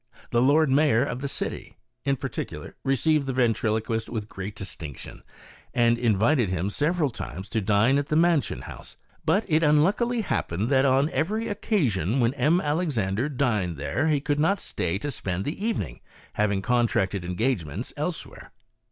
The Lord Mayor of the city, in particular, re ceived the ventriloquist with great distinction, and invited him AND VOCAL ILLUSIONS. 51 several times to dine at the Mansion House; but it unluckily, happened that, on every occasion when M. Alexandre dined there, he could not stay to spend the evening, having contracted engagements elsewhere.